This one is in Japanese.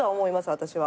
私は。